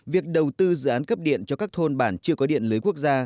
việc đầu tư dự án cấp điện cho các thôn bản chưa có điện lưới quốc gia